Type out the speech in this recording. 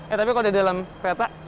eh tapi kalau di dalam veta ini